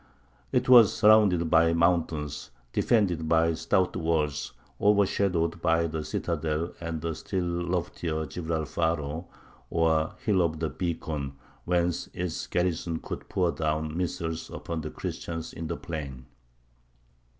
It was surrounded by mountains, defended by stout walls, overshadowed by the citadel and the still loftier Gibralfaro, or "Hill of the Beacon," whence its garrison could pour down missiles upon the Christians in the plain.